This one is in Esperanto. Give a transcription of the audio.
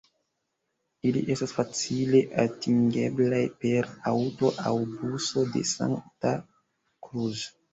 Ili estas facile atingeblaj per aŭto aŭ buso de Santa Cruz.